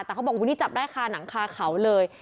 แต่เขาบอกนี่จับได้คาหนังคาเขาเลย